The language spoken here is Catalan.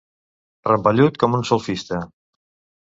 Rampellut com un solfista.